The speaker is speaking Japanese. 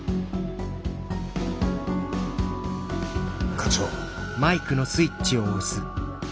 課長。